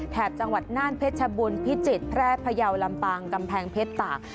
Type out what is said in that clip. จังหวัดน่านเพชรบุญพิจิตรแพร่พยาวลำปางกำแพงเพชรตาก